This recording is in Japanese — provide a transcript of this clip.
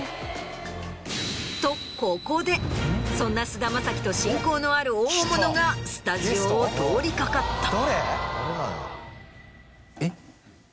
とここでそんな菅田将暉と親交のある大物がスタジオを通り掛かった。